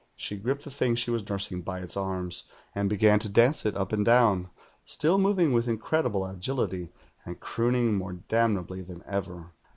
She gripped the thing she was nursing by its arms, and began to dance it up and down, still moving with incredible agility, and crooning more damnably than ever.